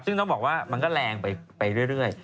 ซึ่งต้องบอกว่ามันก็แรงไปเรื่อย